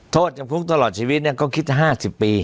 โทษจำคุกตลอดชีวิตก็คิด๕๐ปี